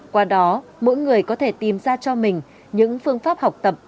qua đó mỗi người có thể tìm ra cho mình những phương pháp học tập